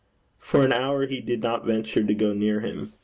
For an hour he did not venture to go near him.